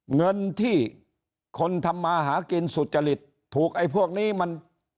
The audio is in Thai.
เงินที่คนทำมาหากินสุจริตถูกไอ้พวกนี้มัน